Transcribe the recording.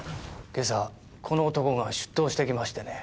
今朝この男が出頭してきましてね。